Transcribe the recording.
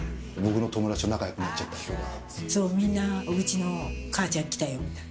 そうみんな小口の母ちゃん来たよみたいな。